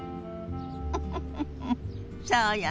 フフフフそうよね。